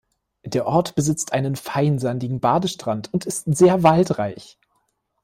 Der Ort besitzt einen feinsandigen Badestrand und ist sehr waldreich.